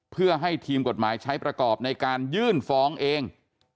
เพื่อให้ทีมกฎหมายใช้ประกอบในการยื่นฟ้องเอง